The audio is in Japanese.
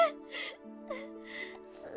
うっ。